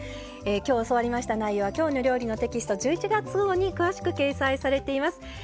今日教わりました内容は「きょうの料理」のテキスト１１月号に詳しく掲載されています。